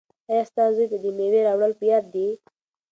ایا ستا زوی ته د مېوې راوړل په یاد دي؟